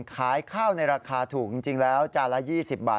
ขายข้าวในราคาถูกจริงแล้วจานละ๒๐บาท